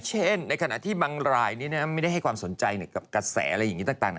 เช่นในขณะที่มันได้ความสนใจกับกระแสอะไรอย่างนี้ต่าง